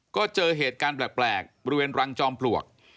ก็เจอเหตุการณ์แปลกบริเวณรังจอมปลวก